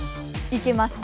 行きます。